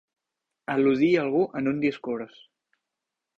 Al·ludir algú en un discurs.